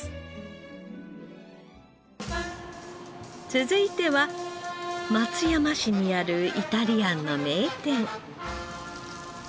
続いては松山市にあるイタリアンの名店。